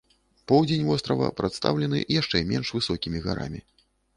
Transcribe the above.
Поўдзень вострава прадстаўлены яшчэ менш высокімі гарамі.